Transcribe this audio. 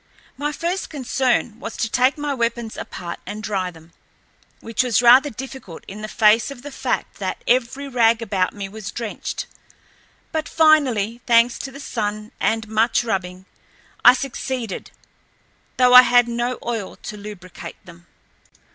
My first concern was to take my weapons apart and dry them, which was rather difficult in the face of the fact that every rag about me was drenched. But finally, thanks to the sun and much rubbing, I succeeded, though I had no oil to lubricate them.